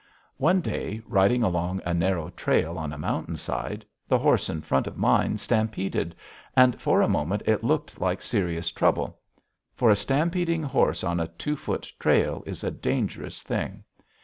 One day, riding along a narrow trail on a mountain side, the horse in front of mine stampeded, and for a moment it looked like serious trouble. For a stampeding horse on a two foot trail is a dangerous thing.